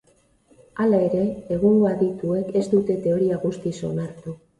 Hala ere, egungo adituek ez dute teoria guztiz onartu.